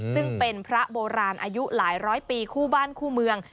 ซึ่งเป็นพระโบราณอายุหลายร้อยปีคู่บ้านคู่เมือง